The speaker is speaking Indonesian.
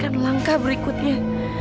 dan memikirkan langkah berikutnya